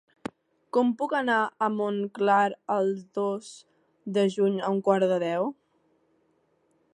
Com puc anar a Montclar el dos de juny a un quart de deu?